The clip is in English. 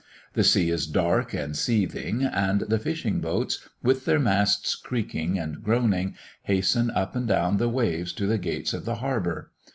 The sea is dark and seething, and the fishing boats, with their masts creaking and groaning, hasten up and down the waves to the gates of the harbour.